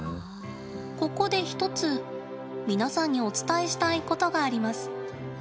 ここで１つ皆さんにお伝えしたいことがあります。